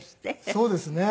そうですね。